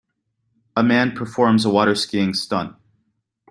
A man performs a waterskiing stunt.